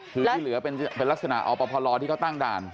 คือที่เหลือเป็นลักษณะอปพลที่เขาตั้งด่าน